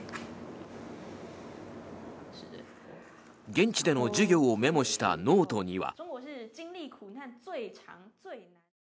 現地での授業をメモしたノートには。